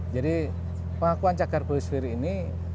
jadi pengakuan cagar biosfir ini